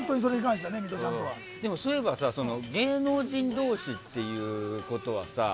そういえばさ芸能人同士っていうことはさ。